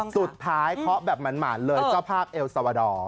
เคาะแบบหมานเลยเจ้าภาพเอลซาวาดอร์